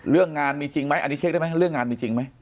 เรื่องงานมีจริงไหมอันนี้เช็คได้ไหมเรื่องงานมีจริงไหม